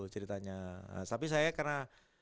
ceritanya tapi saya karena